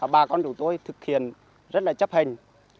bà con chủ tôi thực hiện rất là chấp hình